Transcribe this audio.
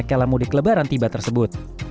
kala mudik lebaran tiba tersebut